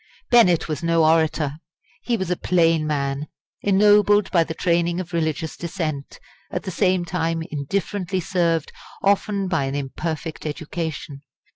Bennett was no orator. He was a plain man, ennobled by the training of religious dissent, at the same time indifferently served often by an imperfect education.